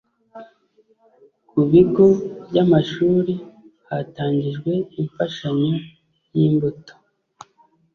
ku bigo by amashuri hatangijwe imfashanyo y’imbuto